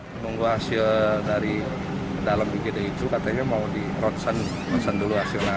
menunggu hasil dari dalam bgd itu katanya mau di rotsen dulu hasilnya